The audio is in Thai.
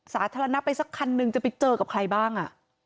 สาธารณะไปสักคันนึงจะไปเจอกับใครบ้าง